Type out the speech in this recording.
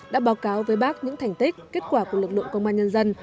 đã báo cáo với bác những thành tích kết quả của lực lượng công an nhân dân